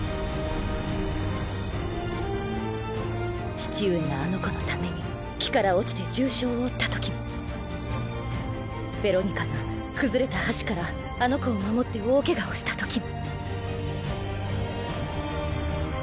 父上があの子のために木から落ちて重傷を負ったときもベロニカが崩れた橋からあの子を守って大ケガをしたときも。